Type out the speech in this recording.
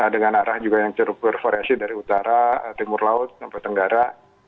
dengan arah juga yang cukup bervariasi dari utara timur laut tenggara